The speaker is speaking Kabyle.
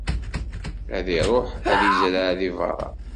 Ad iruḥ, ad t-izreɛ di berra.